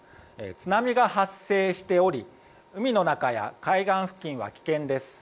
津波が発生しており海の中や海岸付近は危険です。